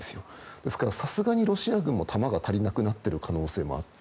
ですからさすがにロシア軍も弾が足りなくなっている可能性もあって。